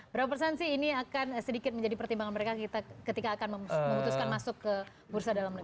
berapa persen sih ini akan sedikit menjadi pertimbangan mereka kita ketika akan memutuskan masuk ke bursa dalam negeri